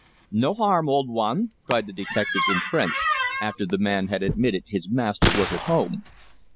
"No harm, old one!" cried the detectives in French, after the man had admitted his master was at home.